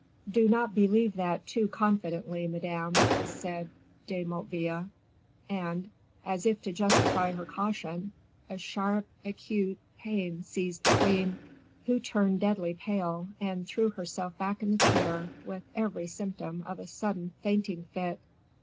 "Do not believe that too confidently, madame," said De Motteville. And, as if to justify her caution, a sharp, acute pain seized the queen, who turned deadly pale, and threw herself back in the chair, with every symptom of a sudden fainting fit.